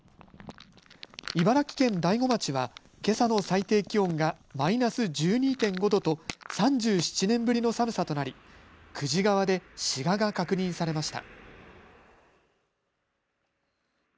茨城県大子町はけさの最低気温がマイナス１２．５度と３７年ぶりの寒さとなり久慈川でシガが確認されました。